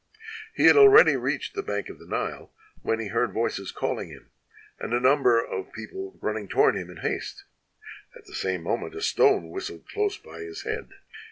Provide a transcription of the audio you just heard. "He had already reached the bank of the Nile, w^hen he heard voices calling him and a number of people run ning toward him in haste; at the same moment a stone whistled close by his head.